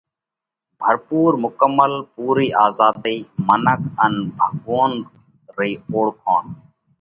ڀرپُور، مڪمل ان پُورئِي آزاڌئِي منک ان ڀڳوونَ رئِي اوۯکوڻ: